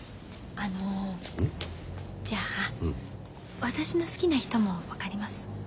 あのじゃあ私の好きな人も分かります？